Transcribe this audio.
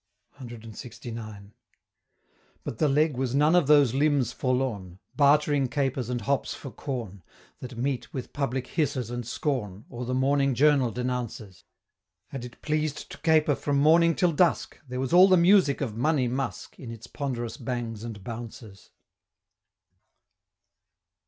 CLXIX. But the Leg was none of those limbs forlorn Bartering capers and hops for corn That meet with public hisses and scorn, Or the morning journal denounces Had it pleased to caper from morning till dusk, There was all the music of "Money Musk" In its ponderous bangs and bounces.